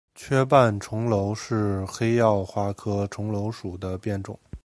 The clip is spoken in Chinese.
缺瓣重楼是黑药花科重楼属的变种。